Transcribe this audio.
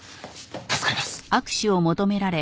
助かります。